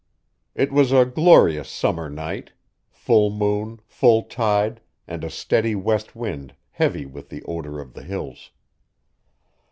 It was a glorious summer night; full moon, full tide, and a steady west wind heavy with the odor of the Hills.